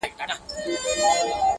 خو د دوی د پاچهۍ نه وه رنګونه!